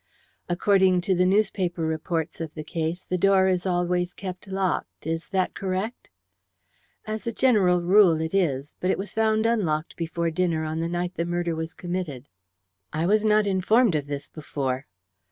"According to the newspaper reports of the case, the door is always kept locked. Is that correct?" "As a general rule it is. But it was found unlocked before dinner on the night the murder was committed." "I was not informed of this before."